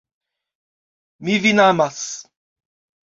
Mi vin amas.